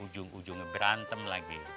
ujung ujungnya berantem lagi